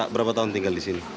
berapa tahun tinggal di sini